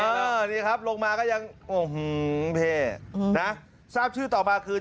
เออนี่ครับลงมาก็ยังโอ้โหเท่นะทราบชื่อต่อมาคือ